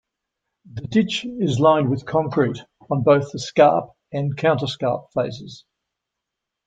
The ditch is lined with concrete on both the scarp and counterscarp faces.